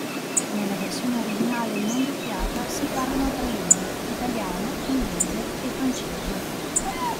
Nella versione originale non doppiata si parlano tre lingue: italiano, inglese e francese.